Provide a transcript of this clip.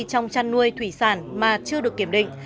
trong chăn nuôi thủy sản mà chưa được kiểm định